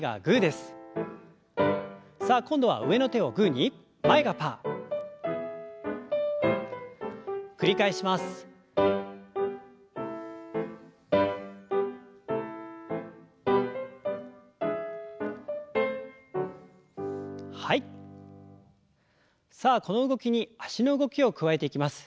さあこの動きに脚の動きを加えていきます。